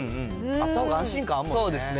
あったほうが安心感あるもんね。